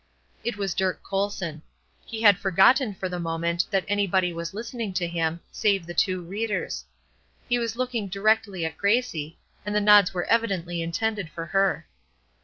It was Dirk Colson. He had forgotten for the moment that anybody was listening to him, save the two readers. He was looking directly at Gracie, and the nods were evidently intended for her.